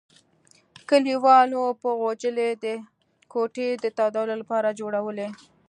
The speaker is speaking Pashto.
کلیوالو به غوجلې د کوټې د تودولو لپاره جوړولې.